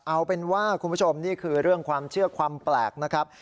เอาเป็นว่าคุณผู้ชมนี่คือเรื่องความเชื่อความแปลกนะครับ